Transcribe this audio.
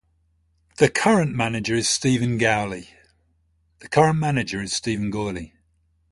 The current manager is Steven Gourley.